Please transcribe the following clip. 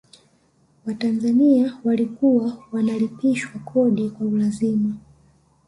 watanzania walikuwa wanalipishwa kodi kwa lazima